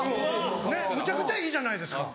むちゃくちゃいいじゃないですか。